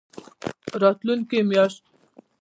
راتلونکې میاشت